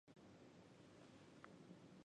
有些原住民使用美丽耧斗菜制作香水。